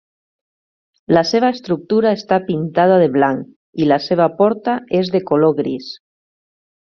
La seva estructura està pintada de blanc, i la seva porta és de color gris.